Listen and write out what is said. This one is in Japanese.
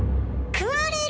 食われる？